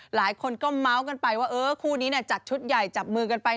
หลายคนก็เมาส์กันไปว่าเออคู่นี้จัดชุดใหญ่จับมือกันไป